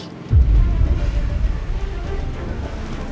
kamu tuh memiliki istri